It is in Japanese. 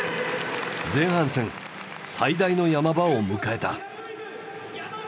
前半戦最大の山場を迎えた。